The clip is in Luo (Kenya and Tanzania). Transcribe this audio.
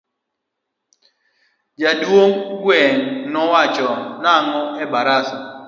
Jaduong gweng no wacho nango e barasa.